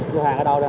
vô hàng ở đâu đây